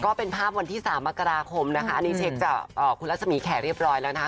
ก็เป็นภาพวันที่๓มกราคมนะคะอันนี้เช็คจากคุณรัศมีแขกเรียบร้อยแล้วนะคะ